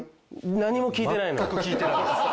何も聞いてないのよ。